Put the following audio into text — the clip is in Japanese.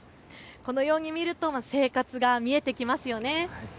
このように見ると生活が見えてきますよね。